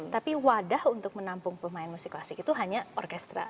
tapi wadah untuk menampung pemain musik klasik itu hanya orkestra